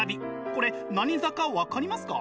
これ何座か分かりますか？